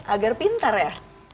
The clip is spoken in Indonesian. agar pintar ya